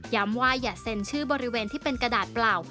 ว่าอย่าเซ็นชื่อบริเวณที่เป็นกระดาษเปล่า